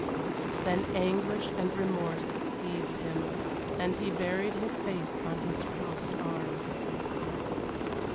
Then anguish and remorse seized him, and he buried his face on his crossed arms.